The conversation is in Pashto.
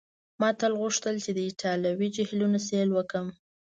ما تل غوښتل چي د ایټالوي جهیلونو سیل وکړم.